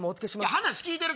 話聞いてる⁉